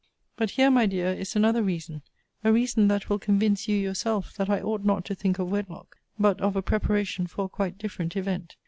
'But here, my dear, is another reason; a reason that will convince you yourself that I ought not to think of wedlock; but of a preparation for a quite different event.